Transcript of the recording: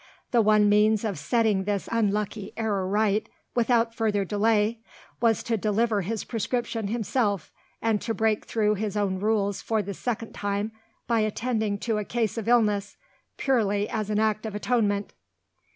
The one means of setting this unlucky error right, without further delay, was to deliver his prescription himself, and to break through his own rules for the second time by attending to a case of illness purely as an act of atonement.